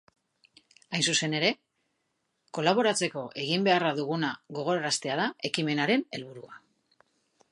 Hain zuzen ere, kolaboratzeko egin behar duguna gogoraraztea da ekimenaren helburua.